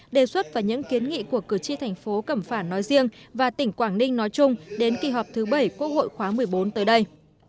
đề xuất và những kiến nghị của cử tri thành phố cẩm phả nói riêng và tỉnh quảng ninh nói chung đến kỳ họp thứ bảy quốc hội khóa một mươi bốn tới đây